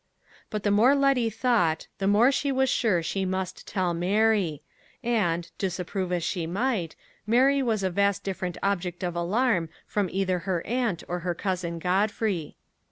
But the more Letty thought, the more she was sure she must tell Mary; and, disapprove as she might, Mary was a very different object of alarm from either her aunt or her cousin Godfrey.